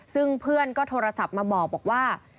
ซึ่งเพื่อนก็โทรศัพท์มาบอกว่า